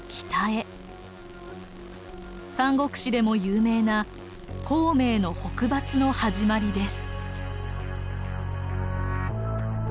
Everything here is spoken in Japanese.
「三国志」でも有名な「孔明の北伐」の始まりです。